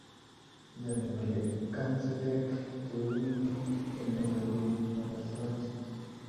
iyoni kole kanselaek cheu inen eng bunge ko mokosooch